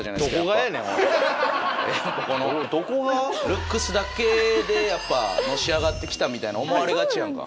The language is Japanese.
ルックスだけでやっぱのし上がってきたみたいな思われがちやんか。